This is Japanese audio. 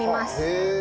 へえ。